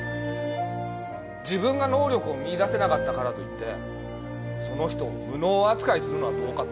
自分が能力を見いだせなかったからといってその人を無能扱いするのはどうかと。